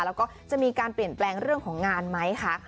แล้วก็จะมีการเปลี่ยนแปลงเรื่องของงานไหมคะ